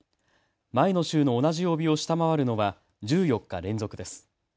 前の週の同じ曜日を下回るのは１４日連続です。